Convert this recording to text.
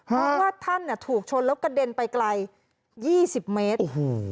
เพราะว่าท่านอ่ะถูกชนแล้วกระเด็นไปไกลยี่สิบเมตรโอ้โห